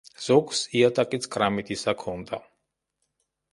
ზოგს იატაკიც კრამიტისა ჰქონდა.